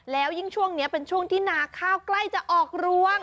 แล้วยิ่งช่วงนี้เป็นช่วงที่นาข้าวใกล้จะออกรวง